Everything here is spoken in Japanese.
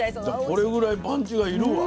これぐらいパンチが要るわ。